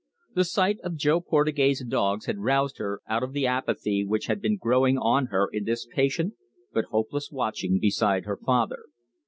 The sight of Jo Portugais' dogs had roused her out of the apathy which had been growing on her in this patient but hopeless watching beside her father.